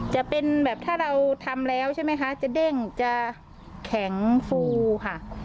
จะเป็นแบบถ้าเราทำแล้วใช่ไหมคะจะเด้งจะแข็งฟูค่ะ